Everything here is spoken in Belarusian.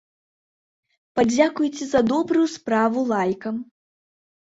Падзякуйце за добрую справу лайкам!